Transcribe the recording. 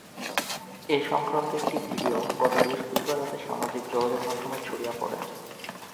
এ সংক্রান্ত একটি ভিডিও গত বৃহস্পতিবার রাতে সামাজিক যোগাযোগমাধ্যমে ছড়িয়ে পড়ে।